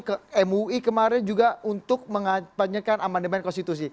ke mui kemarin juga untuk mengapanyakan amandemen konstitusi